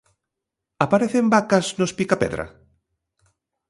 Aparecen vacas nos Picapedra?